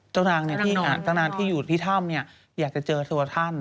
นางเจ้านางที่อยู่ที่ถ้ำอยากจะเจอตัวท่าน